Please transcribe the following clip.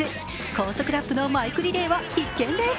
高速ラップのマイクリレーは必見です。